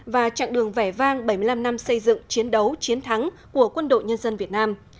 và chặng đường vẻ vang bảy mươi năm năm xây dựng chiến đấu chiến thắng của quân đội nhân dân việt nam